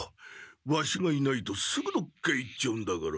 ワシがいないとすぐどっか行っちゃうんだから。